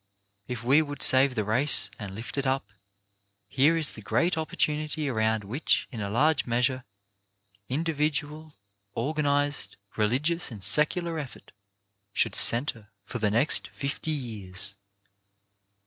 If we would save the race, and lift it up, here is the great opportunity around which, in a large measure, individual, organized, religious and secular effort should centre for the next fifty years.